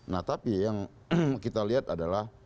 nah tapi yang kita lihat adalah